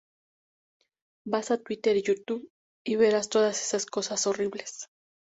Vas a Twitter y Youtube y verás todas esas cosas horribles.